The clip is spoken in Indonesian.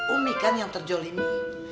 umi kan yang terzalimi